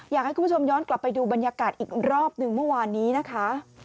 อยากให้คุณผู้ชมย้อนกลับไปดูบรรยากาศอีกรอบหนึ่งเมื่อวานนี้นะคะ